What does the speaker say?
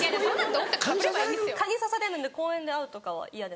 蚊に刺されるんで公園で会うとかは嫌です。